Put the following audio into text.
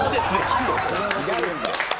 違うんだよ。